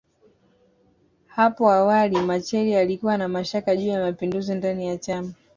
Hapo awali Machel alikuwa na mashaka juu ya mapinduzi ndani ya chama